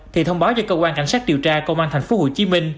thì thông báo cho cơ quan cảnh sát điều tra công an tp hcm